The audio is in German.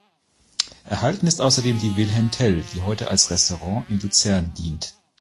Erhalten ist ausserdem die "Wilhelm Tell", die heute als Restaurant in Luzern dient.